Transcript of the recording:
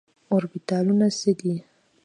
اوربيتالونه څه دي ؟